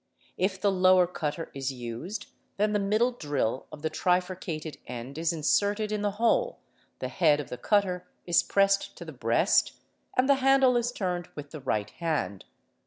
If the lower cutter is used, then the middle drill of the trifureated end is inserted in the hole, the head of the cutter is pressed to the breast, Fig. 145. and the handle is turned with the right hand.